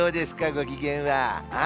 ご機嫌は？